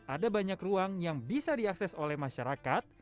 ada banyak ruang yang bisa diakses oleh masyarakat